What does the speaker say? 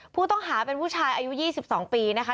ผู้ต้องหาเป็นผู้ชายอายุ๒๒ปีนะคะ